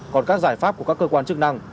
còn các giải pháp của các cơ quan chức năng